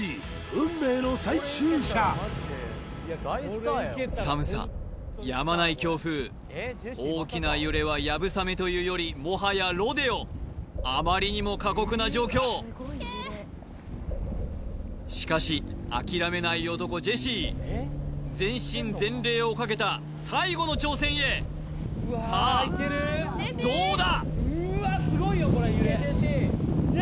運命の最終射寒さやまない強風大きな揺れは流鏑馬というよりもはやロデオあまりにも過酷な状況しかし諦めない男ジェシー全身全霊をかけた最後の挑戦へさあどうだ？